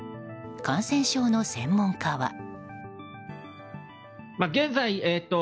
感染症の専門家は。